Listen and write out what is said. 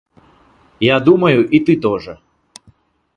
Я думаю, и ты тоже.